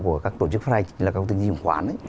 của các tổ chức phát hành là các công ty di dụng khoán